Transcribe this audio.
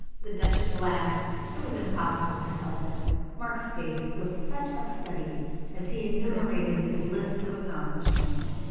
The duchess laughed. It was impossible to help it; Mark's face was such a study as he enumerated this list of accomplishments.